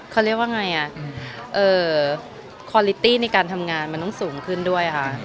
ความสำคัญในการทำงานมันต้องสูงขึ้นด้วยค่ะ